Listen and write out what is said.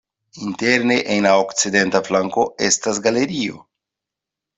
Interne en la okcidenta flanko estas galerio.